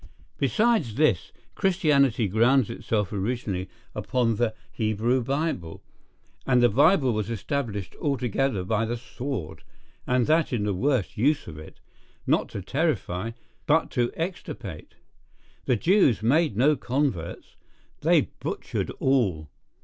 Besides this, Christianity grounds itself originally upon the [Hebrew] Bible, and the Bible was established altogether by the sword, and that in the worst use of it—not to terrify, but to extirpate. The Jews made no converts: they butchered all.